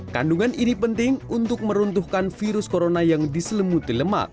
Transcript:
kandungan ini penting untuk meruntuhkan virus corona yang diselemuti lemak